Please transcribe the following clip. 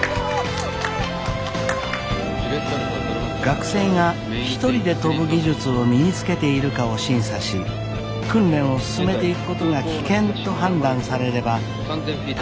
学生が一人で飛ぶ技術を身につけているかを審査し訓練を進めていくことが危険と判断されれば退学となってしまいます。